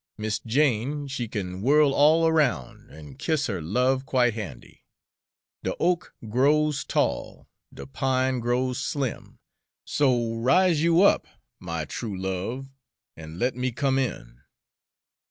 Miss Jane, she can whirl all around An' kiss her love quite handy. "De oak grows tall, De pine grows slim, So rise you up, my true love, An' let me come in."